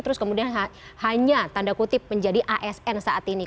terus kemudian hanya tanda kutip menjadi asn saat ini